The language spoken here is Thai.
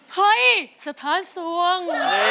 เฮ้ยสถานสวง